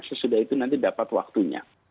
sesudah itu nanti dapat waktunya